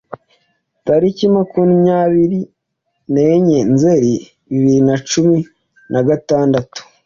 tariki makumyabiri nenye Nzeli bibiri nacumi nagatandatu